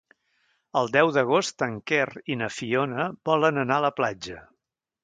El deu d'agost en Quer i na Fiona volen anar a la platja.